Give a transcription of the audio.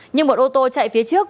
nhưng một ô tô chạy phía trước